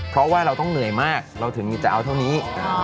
เพราะว่าเราต้องเหนื่อยมากเราถึงจะเอาเท่านี้